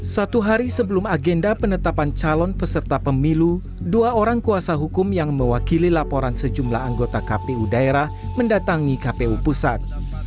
satu hari sebelum agenda penetapan calon peserta pemilu dua orang kuasa hukum yang mewakili laporan sejumlah anggota kpu daerah mendatangi kpu pusat